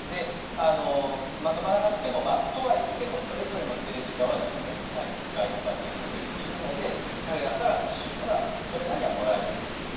まとまらなくてもとはいってもそれぞれの政治家は自分たちの背後に外国がついてくれているので彼らから欲しいものはそれなりにはもらえるんですね。